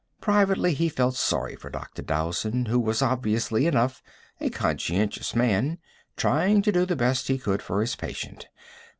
Privately, he felt sorry for Dr. Dowson, who was, obviously enough, a conscientious man trying to do the best he could for his patient.